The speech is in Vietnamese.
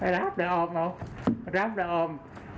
ráp ra ôm ông ráp ra ôm